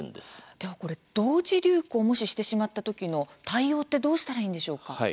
では、これ同時流行もし、してしまった時の対応ってどうしたらいいんでしょうか。